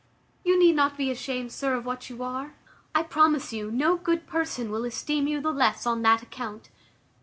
You need not be ashamed, sir, of what you are; I promise you no good person will esteem you the less on that account.